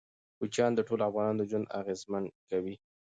کوچیان د ټولو افغانانو ژوند اغېزمن کوي.